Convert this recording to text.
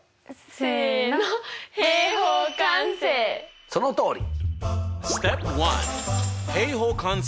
せのそのとおり！